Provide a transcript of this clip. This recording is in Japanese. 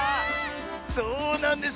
そうなんです。